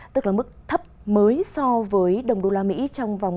tức là mức thấp mới so với đồng đô la mỹ trong vòng ba mươi bốn năm